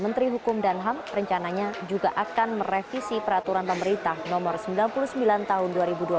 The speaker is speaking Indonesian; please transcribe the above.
menteri hukum dan ham rencananya juga akan merevisi peraturan pemerintah nomor sembilan puluh sembilan tahun dua ribu dua puluh